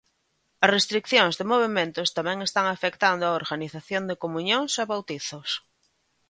As restricións de movementos tamén están afectando a organización de comuñóns e bautizos.